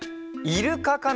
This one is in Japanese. イルカか。